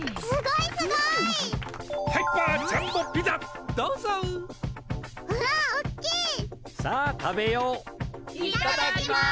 いただきます。